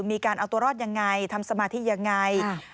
มีการเอาตัวรอดอย่างไรทำสมาธิอย่างไร